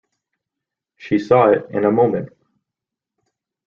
She saw it in a moment.